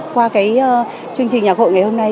qua cái chương trình nhạc hội ngày hôm nay